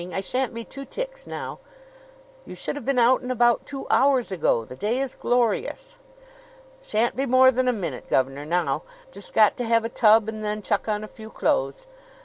I shan't be two ticks now." "You should have been out and about two hours ago. The day is glorious." "Shan't be more than a minute, gov'nor, now. Just got to have a tub and then chuck on a few clothes."